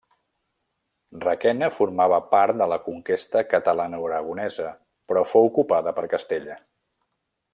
Requena formava part de la conquesta catalanoaragonesa, però fou ocupada per Castella.